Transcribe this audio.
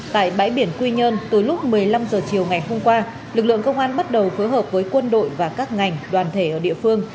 tại bãi biển quy nhơn từ lúc một mươi năm h chiều ngày hôm qua lực lượng công an bắt đầu phối hợp với quân đội và các ngành đoàn thể ở địa phương